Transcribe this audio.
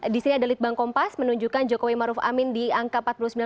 di sini ada litbang kompas menunjukkan jokowi maruf amin di angka empat puluh sembilan